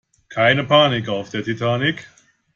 Keine Panik auf der Titanic!